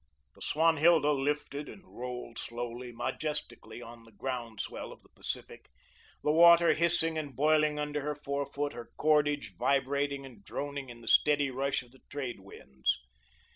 The "Swanhilda" lifted and rolled slowly, majestically on the ground swell of the Pacific, the water hissing and boiling under her forefoot, her cordage vibrating and droning in the steady rush of the trade winds.